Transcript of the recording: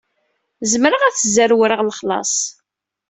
Zemreɣ ad szerwreɣ lexlaṣ.